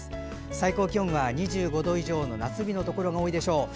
最高気温は２５度以上の夏日のところが多いでしょう。